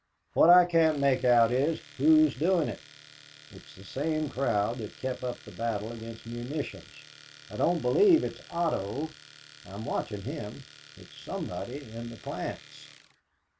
What I can't make out is, Who's doing it? It's the same crowd that kept up the battle against munitions. I don't believe it's Otto. I'm watching him. It's somebody in the plants."